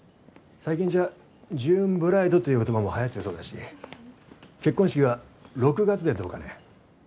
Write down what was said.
最近じゃジューンブライドという言葉もはやってるそうだし結婚式は６月でどうかね？